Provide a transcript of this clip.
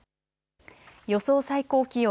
予想最高気温。